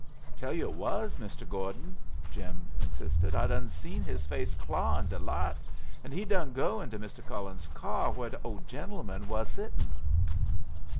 "Tell you it wuz, Mr. Gordon," Jim insisted. "I done seen his face clar in de light, and he done go into Mr. Cullen's car whar de old gentleman wuz sittin'."